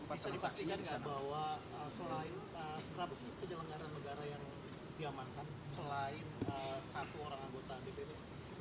bahwa selain transaksi penyelenggaraan negara yang diamankan selain satu orang anggota dpr ri